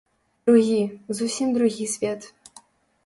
Другі, зусім другі свет.